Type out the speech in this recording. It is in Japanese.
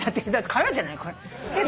空じゃない。